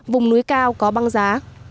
vùng núi cao có băng giá